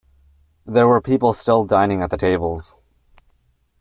There were people still dining at the tables.